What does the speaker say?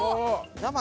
生。